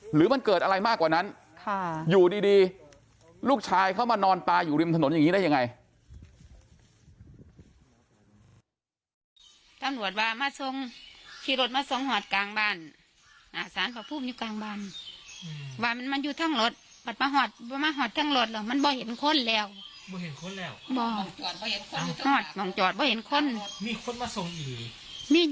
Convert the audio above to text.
หรือมันเกิดอะไรมากกว่านั้นอยู่ดีลูกชายเขามานอนตายอยู่ริมถนนอย่างนี้ได้ยังไง